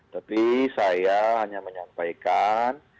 tapi saya hanya menyampaikan